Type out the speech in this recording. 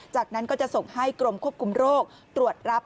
จากนั้นก็จะส่งให้กรมควบคุมโรคตรวจรับ